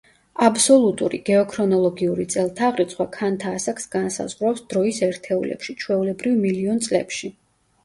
აბსოლუტური გეოქრონოლოგიური წელთაღრიცხვა ქანთა ასაკს განსაზღვრავს დროის ერთეულებში, ჩვეულებრივ, მილიონ წლებში.